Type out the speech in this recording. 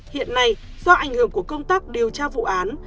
hiện nay do ảnh hưởng của công tác điều tra vụ án